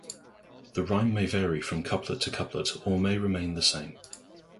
The rhyme may vary from couplet to couplet, or may remain the same.